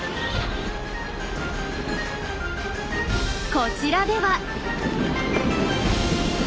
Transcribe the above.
こちらでは。